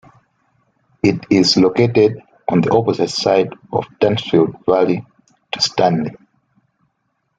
It is located on the opposite side of the Tanfield valley to Stanley.